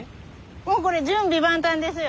もうこれ準備万端ですよ。